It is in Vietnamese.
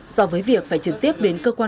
so với việc phải trực tiếp đến cơ quan